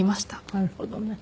なるほどね。